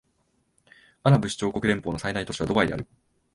アラブ首長国連邦の最大都市はドバイである